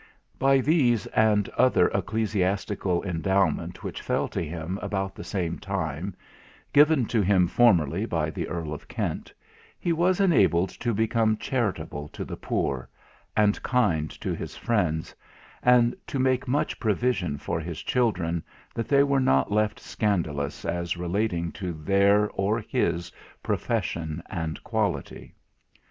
By these, and another ecclesiastical endowment which fell to him about the same time, given to him formerly by the Earl of Kent, he was enabled to become charitable to the poor, and kind to his friends, and to make such provision for his children, that they were not left scandalous as relating to their or his profession and quality.